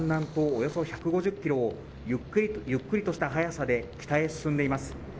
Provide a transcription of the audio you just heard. およそ１５０キロをゆっくりとした速さで北へ進んでいます